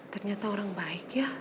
ternyata orang baik ya